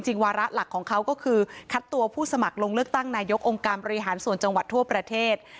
วาระหลักของเขาก็คือคัดตัวผู้สมัครลงเลือกตั้งนายกองค์การบริหารส่วนจังหวัดทั่วประเทศ